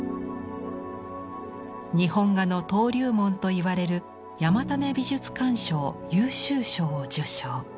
日本画の登竜門と言われる山種美術館賞優秀賞を受賞。